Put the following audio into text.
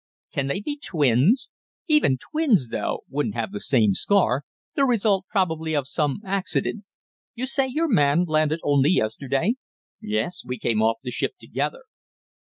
Can they be twins? Even twins, though, wouldn't have the same scar, the result probably of some accident. You say your man landed only yesterday?" "Yes, we came off the ship together."